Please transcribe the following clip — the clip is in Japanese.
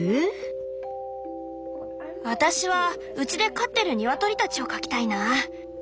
私はうちで飼ってるニワトリたちを描きたいな。